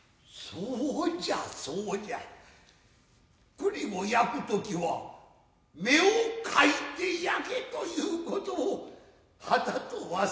栗を焼く時は目をかいて焼けということをはたと忘れていた。